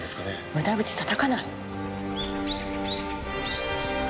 無駄口たたかない。